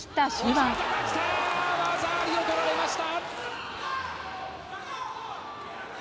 技ありをとられました！